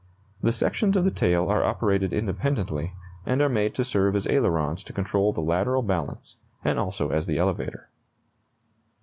The sections of the tail are operated independently, and are made to serve as ailerons to control the lateral balance, and also as the elevator.